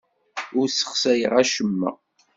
Ur ssexsayeɣ acemma.